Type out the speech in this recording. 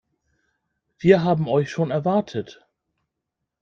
Wir haben euch schon erwartet.